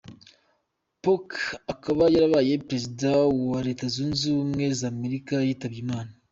Polk akaba yarabaye perezida wa wa Leta zunze ubumwe za Amerika yitabye Imana.